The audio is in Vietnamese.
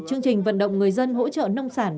chương trình vận động người dân hỗ trợ nông sản